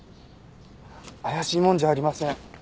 怪しい者じゃありません。